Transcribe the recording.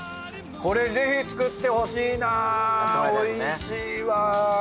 これぜひ作ってほしいなおいしいわ。